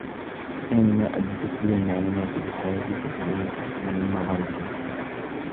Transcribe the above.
وَالثَّانِي مَا أَدَّتْ إلَى الْمَعْلُومَاتِ الْحَادِثَةِ عَنْ الْأَفْكَارِ النَّظَرِيَّةِ